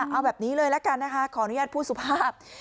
เอาแบบนี้เลยละกันนะคะขออนุญาตพูดสุภาพ